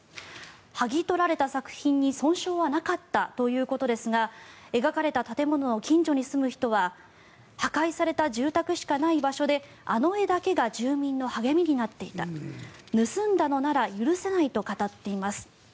剥ぎ取られた作品に損傷はなかったということですが描かれた建物の近所に住む人は破壊された住宅しかない場所であの絵だけが住民の励みになっていた盗んだのなら許せないと語っています。